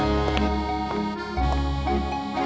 kisah yang benar benar inspiratif